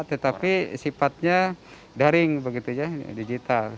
tetapi sifatnya daring begitu ya digital